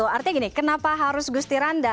artinya gini kenapa harus gusti randa